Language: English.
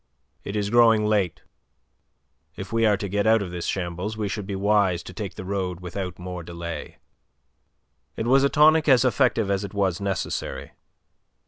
It is growing late. If we are to get out of this shambles we should be wise to take the road without more delay." It was a tonic as effective as it was necessary.